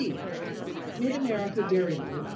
C. Mid America Dairymen, Inc.